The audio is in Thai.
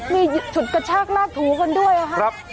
มีฉุดกระชากลากถูกันด้วยค่ะ